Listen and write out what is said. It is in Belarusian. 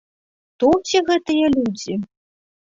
Хто ўсе гэтыя людзі?